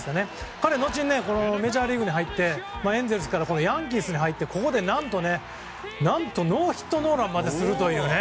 彼は後にメジャーリーグに入ってエンゼルスからヤンキースに入って何とノーヒットノーランまでするという。